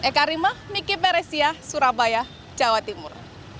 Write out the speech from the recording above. eka rima miki peresia surabaya jawa timur